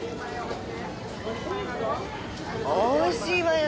美味しいわよね